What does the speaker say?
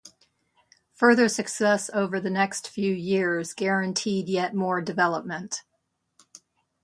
Further success over the next few years guaranteed yet more development.